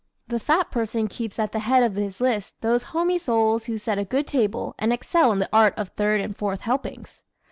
The fat person keeps at the head of his list those homey souls who set a good table and excel in the art of third and fourth helpings.